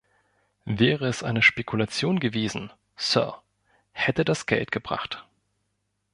Wäre es eine Spekulation gewesen, Sir, hätte das Geld gebracht.